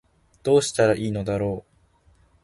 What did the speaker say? どうしたら良いのだろう